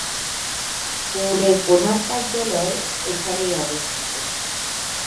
বোর্ডের প্রধান কার্যালয় এখানেই অবস্থিত।